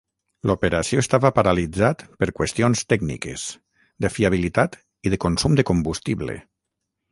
L'operació estava paralitzat per qüestions tècniques, de fiabilitat i de consum de combustible.